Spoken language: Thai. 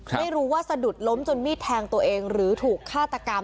ไม่รู้ว่าสะดุดล้มจนมีดแทงตัวเองหรือถูกฆาตกรรม